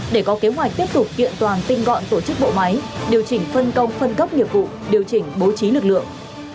để có kế hoạch tiếp tục kiện toàn tinh gọn tổ chức bộ máy điều chỉnh phân công phân cấp nhiệm vụ điều chỉnh bố trí lực lượng